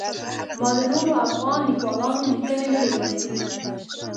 ما د نورو افغان لیکوالانو لیکنې نه دي لوستلي.